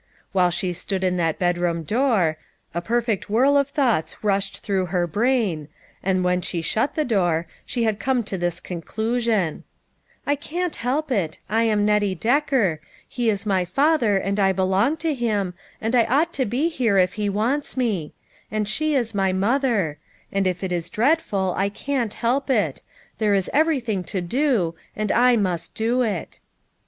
While she stood in that bed room door, a perfect whirl of thoughts rushed through her brain, and when she shut the door, she had come to this conclusion : "I can't help it; I am Nettie Decker; he is my father, and I belong to him, and I ought to be here if he wants me ; and she is my mother; and if it is dreadful, I can't help it ; there is everything to do ; and I must do it."